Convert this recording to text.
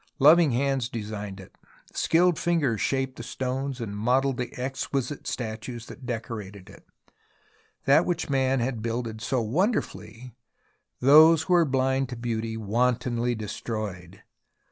Loving hands designed it, skilled fingers shaped the stones, modelled the exquisite statues that decorated it. That which man had builded so wonderfully, those who were blind to beauty wantonly destroyed.